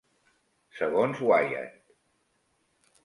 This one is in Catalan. Segons Wyatt.